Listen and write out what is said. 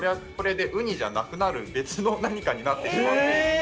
ウニじゃなくなる別の何かになってしまう。